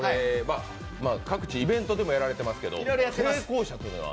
各地イベントでもやられていますが、成功者というのは？